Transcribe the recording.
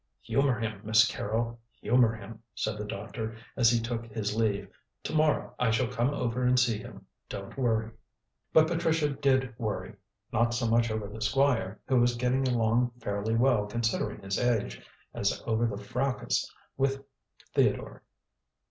"Humour him, Miss Carrol, humour him," said the doctor, as he took his leave. "To morrow I shall come over and see him. Don't worry." But Patricia did worry, not so much over the Squire, who was getting along fairly well considering his age, as over the fracas with Theodore.